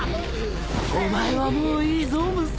お前はもういいぞ娘。